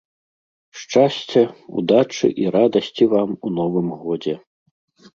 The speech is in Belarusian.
Шчасця, удачы і радасці вам у новым годзе!